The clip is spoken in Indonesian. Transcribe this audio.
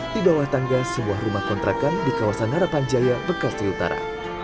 di bawah tangga sebuah rumah kontrakan di kawasan harapan jaya bekasi utara